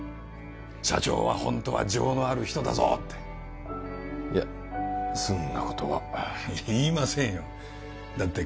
社長はほんとは情のある人だぞっていやそんなことは言いませんよだって